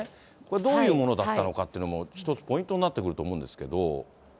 どういうものだったのかというのも、一つポイントになってくると思うんですけど。